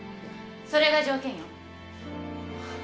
それが条件よ。